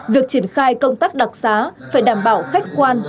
việc triển khai công tác đặc xá phải đảm bảo khách quan